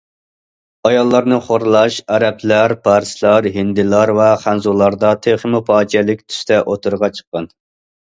ئاياللارنى خورلاش ئەرەبلەر، پارسلار، ھىندىلار ۋە خەنزۇلاردا تېخىمۇ پاجىئەلىك تۈستە ئوتتۇرىغا چىققان.